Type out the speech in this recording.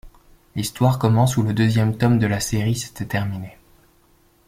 L'histoire commence où le deuxième tome de la série s'était terminé.